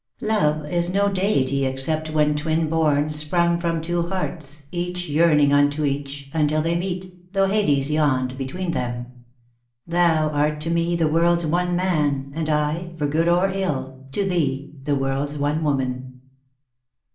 Love is no deity except when twin born, Sprung from two hearts, each yearning unto each, Until they meet, though Hades yawn'd between them. Thou art to me the world's one man, and I, For good or ill, to thee the world's one woman."